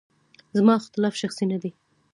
زما اختلاف شخصي نه دی.